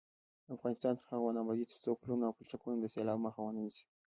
افغانستان تر هغو نه ابادیږي، ترڅو پلونه او پلچکونه د سیلاب مخه ونه نیسي.